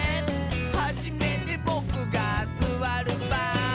「はじめてボクがすわるばん」